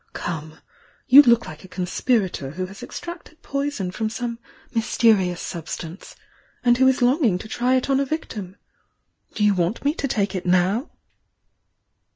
Come! — you look like a conspirator who has extracted poison from some mysterious substance, and who is longing to try it on a victim! Do you want me to take it now?"